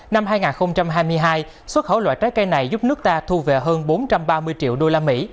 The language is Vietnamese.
năm hai nghìn hai mươi hai xuất khẩu loại trái cây này giúp nước ta thu về hơn bốn trăm ba mươi triệu usd